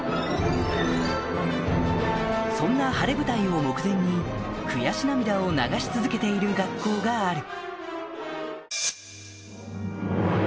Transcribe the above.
そんな晴れ舞台を目前に悔し涙を流し続けている学校がある